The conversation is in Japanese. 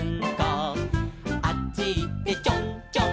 「あっちいってちょんちょん」